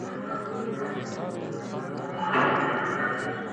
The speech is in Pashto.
هره مور ده پرهارونه د ناصورو؛